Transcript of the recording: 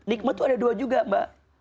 nikmat itu ada dua juga mbak